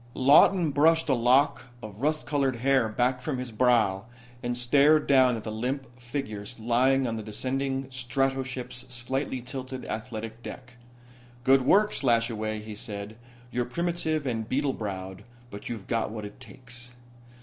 Lawton brushed a lock of rust colored hair back from his brow and stared down at the limp figure lying on the descending stratoship's slightly tilted athletic deck. "Good work, Slashaway," he said. "You're primitive and beetle browed, but you've got what it takes."